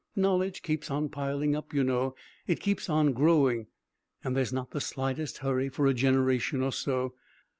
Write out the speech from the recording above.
Knowledge keeps on piling up, you know. It keeps on growing. And there's not the slightest hurry for a generation or so.